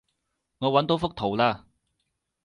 我搵到幅圖喇